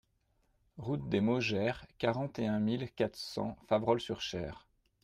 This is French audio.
Route des Maugères, quarante et un mille quatre cents Faverolles-sur-Cher